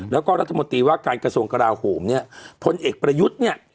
แล้วก็รัฐมนตรีว่าการกระทรวงกราโหมเนี่ยพลเอกประยุทธ์เนี่ย